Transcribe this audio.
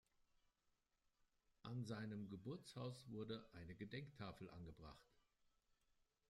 An seinem Geburtshaus wurde eine Gedenktafel angebracht.